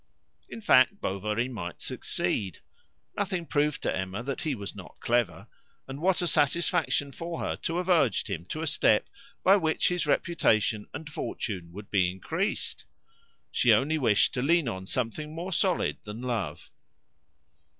In fact, Bovary might succeed. Nothing proved to Emma that he was not clever; and what a satisfaction for her to have urged him to a step by which his reputation and fortune would be increased! She only wished to lean on something more solid than love.